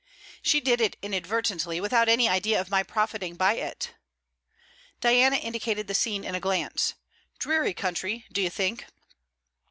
'She did it inadvertently, without an idea of my profiting by it.' Diana indicated the scene in a glance. 'Dreary country, do you think?'